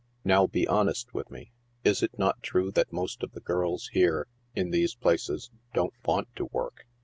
Now be honest with me. Is it not true that most of the girls here, in these places, don't want to work